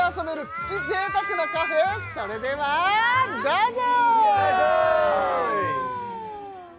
プチ贅沢なカフェへそれではどうぞ！